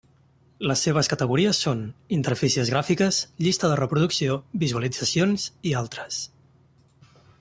Les seves categories són: interfícies gràfiques, llista de reproducció, visualitzacions i altres.